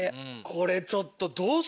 これちょっと。